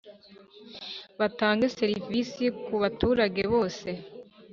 Batange serivisi ku baturage bose